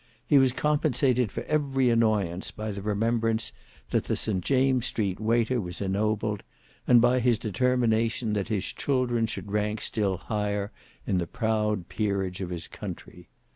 He was compensated for every annoyance by the remembrance that the St James's Street waiter was ennobled, and by his determination that his children should rank still higher in the proud peerage of his country.